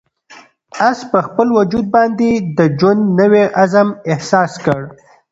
آس په خپل وجود باندې د ژوند نوی عزم احساس کړ.